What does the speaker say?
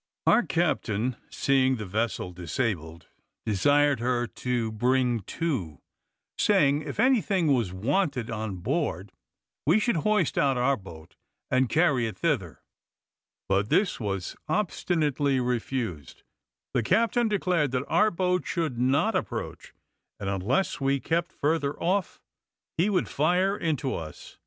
Our captain seeing the vessel disabled, desired her to bring to; saying, if anything was wanted on board, we should hoist out our boat and carry it thither; but this was obstinately refused; the captain declared, that our boat should not approach, and unless we kept further off, he would fire into us.